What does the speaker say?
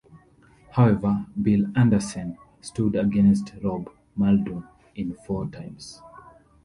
However Bill Andersen stood against Rob Muldoon in four times.